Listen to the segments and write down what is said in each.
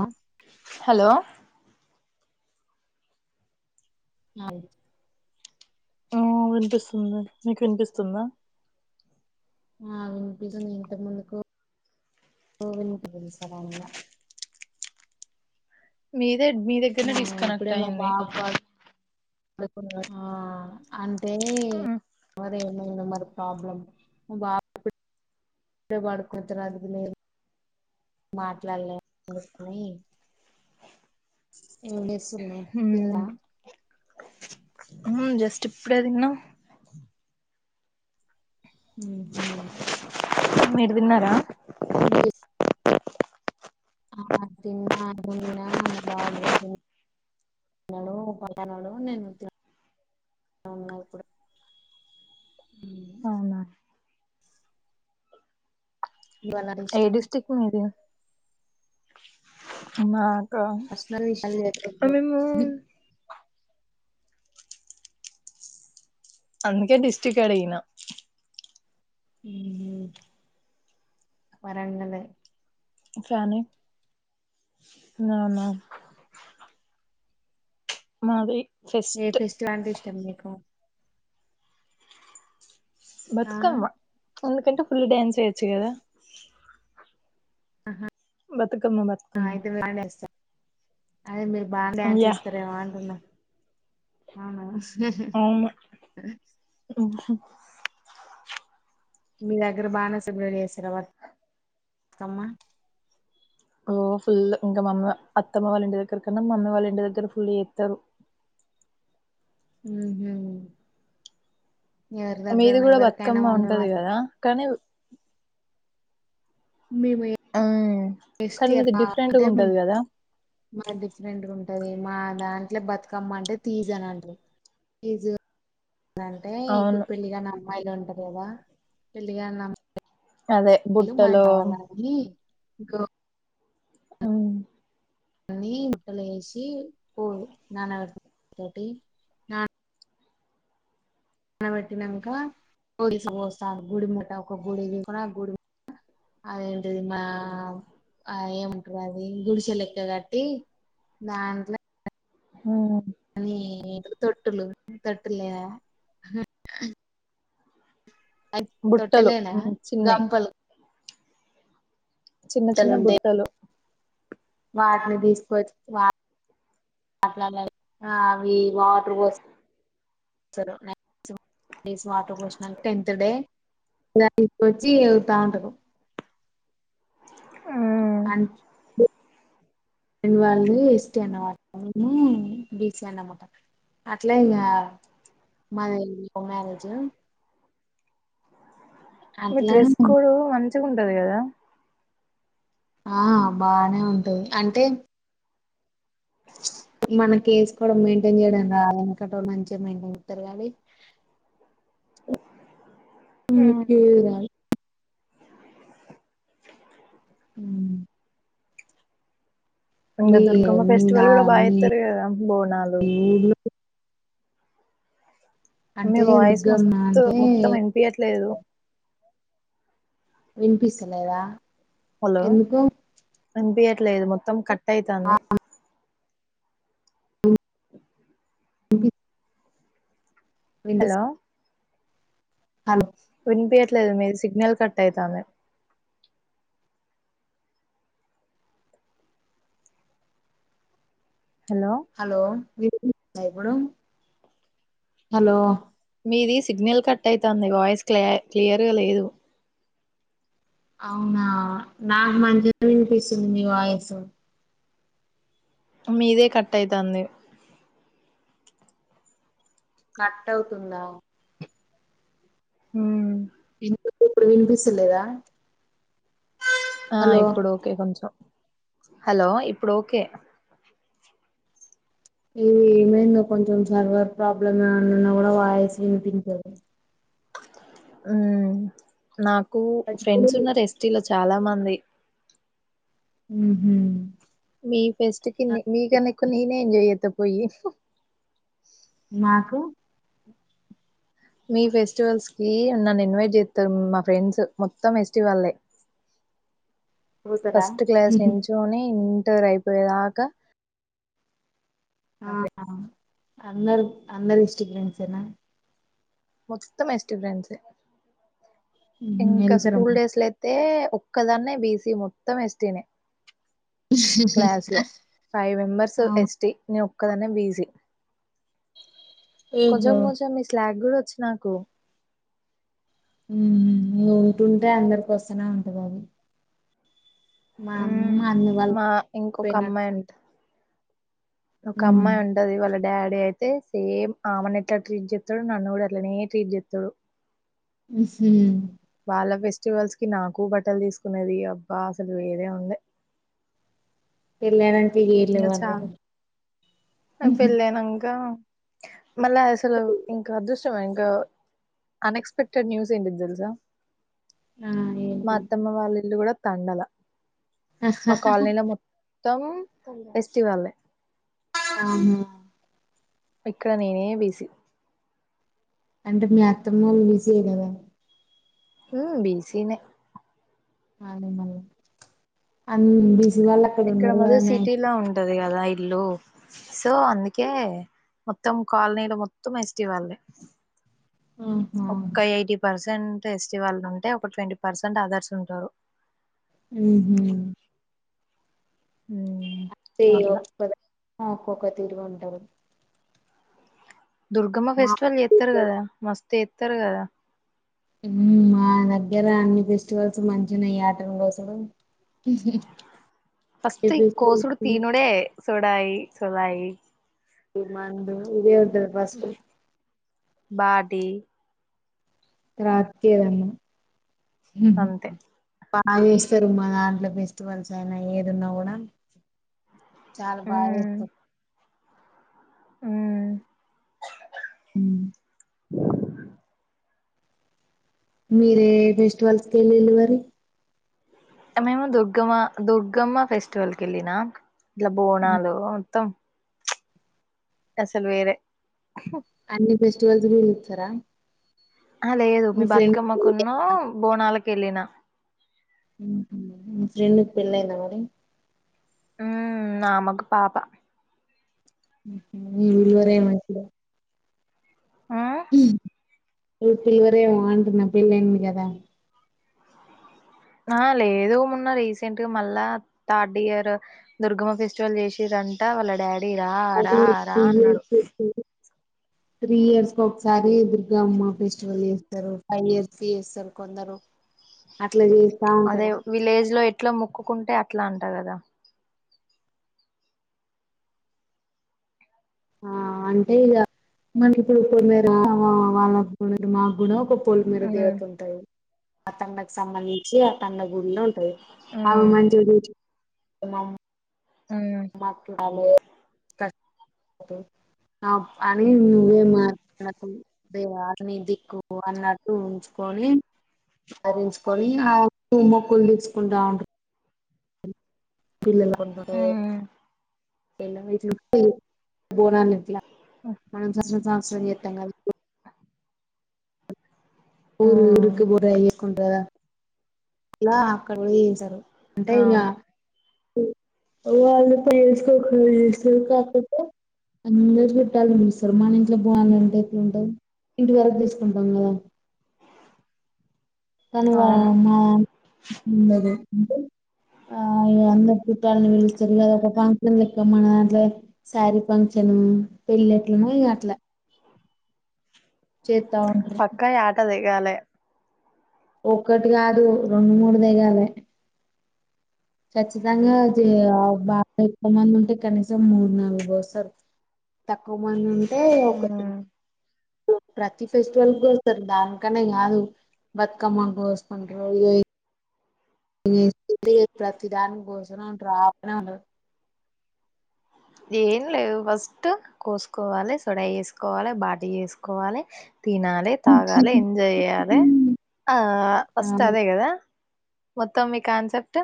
ఆ హలో ఆవు ఊ వినిపిస్తుంది మీకు వినిపిస్తుందా ఆ వినిపిస్తుంది ఇంత ముందుకు వినిపిలే సడన్ గా మీ లేద్ మీ దగ్గరనే డిస్ కనెక్ట్ అయ్యింది ఆడుకున్నరా ఉహ్ ఏమైంది మరి ప్రాబ్లం ఏంజేస్సున్నావ్ ఉమ్ జస్ట్ ఇప్పుడే తిన్న ఊహూ. మీరు తిన్నారా మీకు ఇస్ ఆ తిన్నా వదినా మా బాబు కూడా తిన్నా తిన్నాడు పక్కనుండు. నేను తింటా ఉన్నా ఇప్పుడు ఉమ్ అవునా నీకు ఎలాంటి ఏ ఇష్టం డిస్ట్రిక్ మీది మా పర్సనల్ విషయాలు చేప్పొద్దు అందుకే డిస్టిక్ అడిగినా ఉమ్ హు వరంగలే ఆ ఫ్యాన్ ఏయ్ నాన్న మాధవి ఏ ఫెస్టివల్ అంటే ఇష్టం మీకు ఆ బతుకమ్మా ఒందుకంటే ఫుల్ డ్యాన్స్ చెయ్యొచ్చు కదా బత్ బతుకమ్మ ఆ, బతుకమ్మ అయితే మీరు బాగా డాన్స్ చేస్తారు. అదే మేల్ బాగా డ్యాన్స్ యా వేస్తారేమో అంటున్నా ఔనా అవును మీ దగ్గర బానే సెలెబ్రేట్ చేస్తారా [unintelligible] బతుకమ్మ ఓ ఫుల్లు ఇంకా మమ్మీ అత్తమ్మ వాళ్ళ ఇంటి దగ్గర కన్నా మమ్మీ వాళ్ళ ఇంటి దగ్గర ఫుల్ చేత్తారు. ఊహు మీది కూడా బతుకమ్మ ఉంటది కదా కానీ మేము హ్మ్. [unintelligible] కానీ స్టీ మీది అబ్బా డిఫరెంట్‌గా అంటే ఉంటది గదా! మ డిఫరెంట్ గా [unintelligible] ఉం టది మా దాంట్లో బతుకమ్మ అంటే తీజు అని అంటరు తీజు అంటే ఇప్పుడు అవును. పెళ్లి కాని అమ్మాయిలను అదే గద పెళ్ళిగాని ఆమ్ అదే బుట్టలో ఇంకా అవును అన్ని ట్ట లో ఎసి పులు [unintelligible] తోటి [unintelligible] నబెట్టినాక [unintelligible] పోస్తా గుడి ముట్ట ఒక గుడి తీసుకుని ఆ గుడి ముట్ట అదేంటిది మా ఆ ఏమంటారు అది గుడిసె లెక్క కట్టి దాంట్లో హ అనీ తొట్టులు తొట్టులే అ బుట్టలు తొట్టలేనా హ్మ్. చిన్నయి. గంపలు చిన్న గుట్టలు చిన్న ఉంటాయి బుట్టలు వాటిని తీసుకొచ్చిట్లా [unintelligible] అవి వాటర్ కోసంారు వాటర్ కోసిన టెన్త్ డే తీసుకొచ్చి వెతా ఉంటారు. హ్మ్. ఫ్రెండు వాళ్ళు ఎస్ టి అన్నవాట మేము బి సి అన్నమాట అట్లే ఇంగ మాది లవ్ మ్యారేజ్ మీ అట్లనే డ్రెస్ కోడ్ మంచి చిగ ఉంటది కదా ఆ బానే ఉంటది అంటే మనకి వేసుకోవడం మెయింటైన్ చేయడానికి రాదు ఎంకట మంచిగా మెయింటైన్ చేతారు నీ హ్మ్. [unintelligible] అ ఇంకా దుర్గమ్మ మీ నా ఫెస్టివల్ కూడా బా మీ చెత్తరు కదా బోనాలు ఊర్లో మీ అంటే వాయిస్ దుర్గమ్మ మస్తు అంటే మొత్తం ఇంపియ్యట్లేదు విన్పిస్తలేదా ఎందుకో వినిపయ్యట్లేదు మొత్తం కట్ అయితంది [unintelligible] వినిపిస్ హలో హలో వినిపియ్యట్లే ట్లేదు లేదు మీది సిగ్నల్ కట్ అయితంది హలో విన్పిస్తుందా ఇప్పుడు మీది సిగ్నల్ కట్ అయితాంది వాయిస్ క్ క్లియర్గా లేదు అవునా నాకు మంచిగా వినిపిస్తుంది మీవాయసు మీదే కట్ అయితాంది కట్ అవుతుందా హ్మ్ ఎం ఇప్పుడు వినపిస్తులేదా ఆ ఇప్పుడు ఓకే కొంచెం హలో ఇప్పుడు ఓకే ఇది ఏమైందో కొంచెం సర్వర్ ప్రాబ్లమ్ అన్న కూడా వాయిస్ విని హ్మ్ నాక్ కు ఫ్రెండ్స్ ఉన్నారు ఎస్టీలో చాలా మంది హ్మ్ హు మీ ఫెస్ట్ కి మీ కన్నా ఎక్కువ నేనే ఎంజాయ్ చేతా పోయి నాకు మీ ఫెస్టివల్స్ కి నన్ను ఇన్వైట్ చేస్తారు మా ఫ్రెండ్స్ మొత్తం ఫెస్టివల్ పోతరా ఫస్ట్ క్లాస్ నించ ఉ అయిపోయేదాకా ఆ ఆఫే అందరు అందరి ఎస్టీ ఫ్రెండ్స్ ఏనా మొత్తం ఎస్టి ఫ్రెండ్స్ ఇంకా స్కూల్ వెళ్తారమ్మా డేస్ లో అయితే ఒక్కదాన్నే బిసి మొత్తం ఎస్టీనే క్లాస్ లో ఫైవ్ మెంబర్స్ ఎస్టి నేనో ఒక్కదాన్నే బిసి కొంచెం ఓహో కొంచెం మీ స్లాగ్ గుడా వొచ్చు నాకు ఉంటుంటే అందరికి వస్తనే ఉంటది అది మా అమ్మ మ్మ్. అందు వాళ్ళ మా ఇంకొక పోయినడు అమ్మాయి ఉంట ఒక అమ్మాయి ఉండది వల్ల డాడీ అయితే సేమ్ ఆమెను ఎట్లా ట్రీట్ చేస్తాడు నన్ను కూడా అట్లనే ట్రీట్ చేస్తాడు ఉహు చాలా ఫెస్టివల్స్ కి నాకు బట్టలు తీసుకునేది అబ్బా అసలు వేరే ఉంది ఎళ్ళర ఇంకా చాలు పెళ్ళైనాంకా మళ్ళా అసలు ఇంకా అదృష్టం ఇంకా అన్ఎక్స్పెక్టెడ్ న్యూస్ ఏంటిది తెలుసా ఆ మా ఏంటి అత్తమ్మ వాళ్ళిల్లు కూడా కండల మా కాలనీలో మొ తము ఫెస్టివలే ఆహా ఇక్కడ నేనే బిజీ అంటే మీ అత్తమ్మోలు బీసీ కదా ఉ బీసీిన అ మల్ళ అ బ మీ వాళ్ళు అక్కడ ఇక్కడ ఉన్నారు మది కదనే సిటీలో ఉంటది కదా ఇల్లు సో అందుకే మొత్తం కాలనీలు మొత్తం ఎస్ట్ వాళ్ళే ఆహా ఒక్క ఐటి ప ెంట్ ఎస్టీ వాళ్ళు ఉంటే ఒక ట్వంటీ పర్సెంట్ అదర్స్ ఉంటారు ఊహు ఊ అే ఒద ఆ ఒక్కొక్క తీరుగా ఉంటారు దుర్గమ్మ మా ఫెస్టివల్ చెస్తారు కదా మస్త ఎత్తరు కద మ్మ్ మా దగ్గర అన్ని ఫెస్టివల్స్ మంచినయి యాట ను కోసడు ఫస్ట్ ఈ కోసుడు తీనుడే సుడయి సొడయి మందు ఇద దభస్కు బాటి రాత్రిదన్నా ఊహు అంతే బాగా చేస్తారు మా దాంట్లో ఫెస్టివల్స్ అయినా ఏది ఉన్నా కూడా చాల బాగోస్తరు మ్ ఉమ్ మీరే ఫెస్టివల్స్కి వెళ్ళిరి మరి మేము ఏమో దుర్గమ్మ దుర్గమ్మ ఫెస్టివల్ కి వెళ్ళిన ఇట్లా బోనాలు మొత్తం అసలు వేరే అన్ని ఫెస్టివల్స్ కి లీవ్ లు ఇస్తారా ఆ లేదు మీ బతుకమ్మకున్న బోనాలకి కేలినా ఫ్రెండ్కి పెళ్ళయింద మరి ఉ నామకు పాప వీల్వర ఏమట్ ఉమ్ ఉ పిలువరు ఏమో అంటున్న పెళ్లి అయ్యింది కదా ఆ లేదు మొన్న రీసెంట్గా మళ్ళా థర్డ్ ఇయర్ దుర్గమ్మ ఫెస్టివల్ చేసిరంట వాళ్ళ డాడ్ డీ రా రా అది రా అన్నాడు త్రీ ఇయర్స్ కి ఒకసారి దుర్గమ్మ ఫెస్టివల్ చేస్తారు ఫైవ్ ఇయర్స్ కి చేస్తారు కొందరు అట్లా చేస్ అదే విలేజ్ లో ఎత్ ఏట్లా మొక్కుకుంటే అట్లా అంట కదా ఆ అంటే ఇక మన ఇప్పుడు ఇప్పుడు మీరు అత్త మామ వాళ్లకు కూడా మా కూడా ఒక్క ఒప్ పొలిమేర ఉమ్ దేవత ఉంటాయి ఆ తండకు సంబంధించి ఆ తండ గుళ్లోను ఏ ఆమె ఉమ్ మంచిగా చూచు తిన్నావా ఉమ్ మా చూడాలి క అ అని నువ్వే అతని ఆ నీ దిక్కుకు అన్నట్టు ఉంచుకొని రించుకొని మొకులు తీసుకుంటా ఉంటు పిల్లు కొ ఉమ్ ఎ వయట్ పోనా మన ఇంట్రెస్ట్ అంతా నితంగా ఊరు ఉమ్ ఊరుకు పో ఇయకుంట ఇలా అక్కడలో ఏ సారు అంటే ఇంకా అవును వాళ్ళు పేసుకో చేస్త కాక అందరుూ చుట్టాల చూస్తారు మన ఇంట్లో పోవాలంటే ఎప్పుడు ఉంటాంది ఇంటి వరకు తీసుకుంటాం కదా కను అవును ఉండది అంటే ఆ ఇ అందరు చుట్టాలని పిలుస్తారు కదా ఒక ఫంక్షన్ లెక్క మన దాంట్లో శారీ ఫంక్షన్ పెళ్ళెట్లము ఇ అట్లా చెత్తా ఉంట ఇగాల ఒక్కటి కాదు రెండు మూడు దిగాలే ఖచ్చితంగా బాగా ఎక్కువ మంది ఉంటే కనీసం మూడు నాలుగు వోస్తారు ఎక్కువ మంది ఉంటే ఒకటి ఉమ్ ప్రతి ఫెస్టివల్ గోస్త ద అానికన్నా యాూ బతుకమ్మ గోస్ పయ ప్రతిదాని కోస ఉంట రాకనే ఉండ ఏం లేదు ఫస్ట్ కోసుకోవాలి సొడా వేసుకోవాలి బాటి వసుకోవాలి తినాలి తాగాలి ఎంజాయ్ చేయాలి ఆ ఆ ఫస్ట్ అదే కదా మొత్తం మీ కాన్సెప్ట్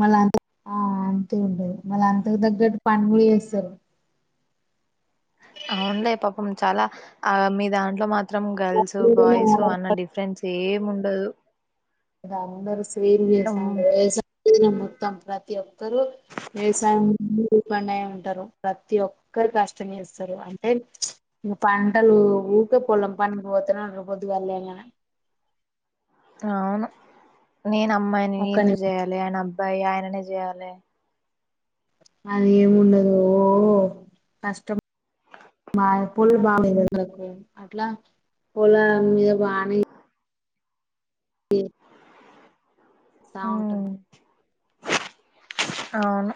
మళ్ళీ అంత ఆ అంతే ఉండదు మళ్ళీ అంతకు తగ్గట్ పంగడి చేస్తారు అవునులే పాపం చాలా ఆ మీ దాంట్లో మాత్ర మాత్రం గర్ల్స్ మీదనే బాయ్స్ అన్న డిఫరెంట్స్ సేమ్ ఉండదు అద అందరు స్వీ చేసాంట అమ్మో ఇ మత్తం ప్రతి ఒ వవసయం పండయ ఉంటారు ప్రతి ఒక్కరు కష్టం చేస్తారు అంటే పంటలు ఊకే పొలం పండగ పోతే పొద్దుగాళ్ళ అవును నేను అమ్మాయిని ఒక్కని ఎందుకు చేయాలి అయన అబ్బాయి అయిననే చేయాలే అది ఏముండదు ఓ కష్ట బాగా పూలు బాగా నాకు అట్లా పొల మీద బాగానే స ఉమ్, బాగుంటుంది అవును